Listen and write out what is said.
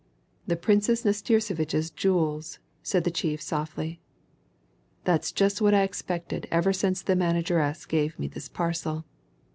"The Princess Nastirsevitch's jewels!" said the chief softly. "That's just what I expected ever since the manageress gave me this parcel.